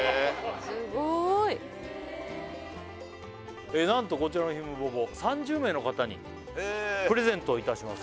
すごい何とこちらのひむぼぼ３０名の方にプレゼントいたします